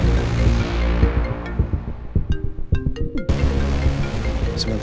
kita sudah berdua